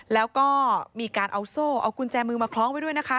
แล้วก็มีการเอาโซ่เอากุญแจมือมาคล้องไว้ด้วยนะคะ